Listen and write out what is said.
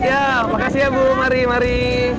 ya terima kasih ya bu mari mari